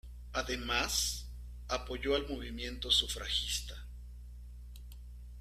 Además apoyó al movimiento sufragista.